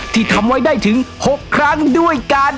ที่ทำไว้ได้ถึง๖ครั้งด้วยกัน